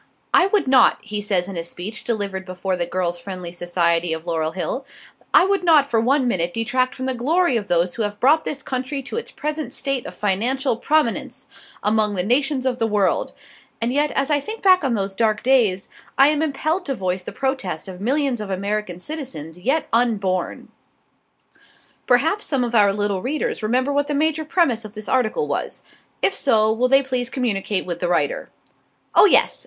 "I would not," he says in a speech delivered before the Girls' Friendly Society of Laurel Hill, "I would not for one minute detract from the glory of those who have brought this country to its present state of financial prominence among the nations of the world, and yet as I think back on those dark days, I am impelled to voice the protest of millions of American citizens yet unborn." Perhaps some of our little readers remember what the major premise of this article was. If so, will they please communicate with the writer. Oh, yes!